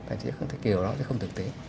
tại vì kiểu đó sẽ không thực tế